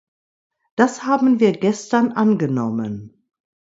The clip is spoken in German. Das haben wir gestern angenommen.